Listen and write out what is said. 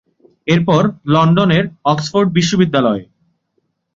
এরপর লন্ডনের অক্সফোর্ড বিশ্ববিদ্যালয়ে।